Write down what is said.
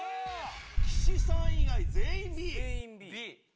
⁉岸さん以外全員Ｂ。